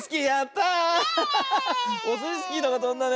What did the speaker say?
オスイスキーのがとんだね。